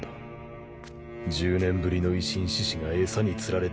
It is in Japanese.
１０年ぶりの維新志士が餌に釣られて姿を現した。